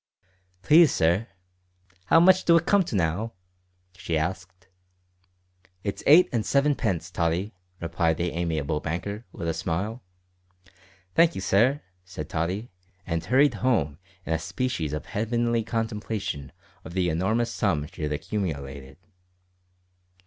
"Please, sir, 'ow much do it come to now?" she asked. "It's eight and sevenpence, Tottie," replied the amiable banker, with a smile. "Thank you, sir," said Tottie, and hurried home in a species of heavenly contemplation of the enormous sum she had accumulated.